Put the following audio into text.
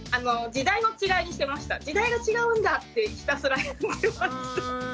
時代が違うんだってひたすら言ってました。